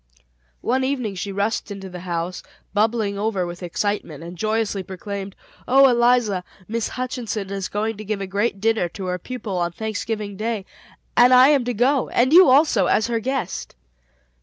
One evening she rushed into the house bubbling over with excitement and joyously proclaimed: "Oh, Eliza, Miss Hutchinson is going to give a great dinner to her pupils on Thanksgiving Day; and I am to go, and you also, as her guest."